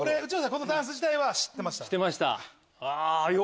このダンス自体は知ってました？